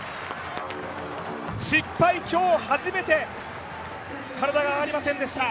失敗、今日初めて体が上がりませんでした。